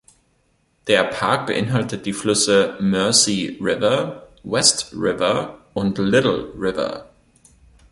Der Park beinhaltet die Flüsse Mersey River, West River und Little River.